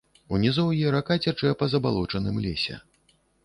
У нізоўі рака цячэ па забалочаным лесе.